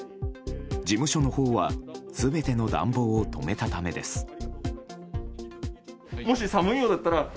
事務所のほうは全ての暖房を止めたためです。